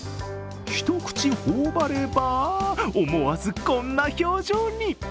１口頬張れば、思わずこんな表情に。